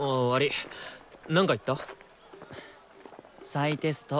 再テスト。